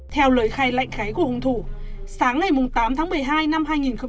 theo lời khai lạnh khái của hung thủ sáng ngày tám tháng một mươi hai năm hai nghìn hai mươi hai